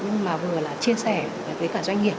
nhưng mà vừa là chia sẻ với cả doanh nghiệp